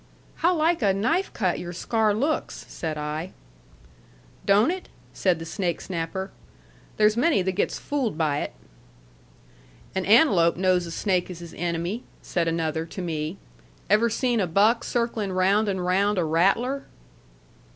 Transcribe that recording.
"How like a knife cut your scar looks!" said I. "Don't it?" said the snake snapper. "There's many that gets fooled by it." "An antelope knows a snake is his enemy," said another to me. "Ever seen a buck circling round and round a rattler?"